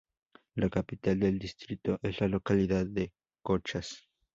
La capital del distrito es la localidad de Cochas